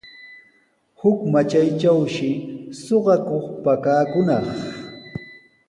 Huk matraytrawshi suqakuq pakakunaq.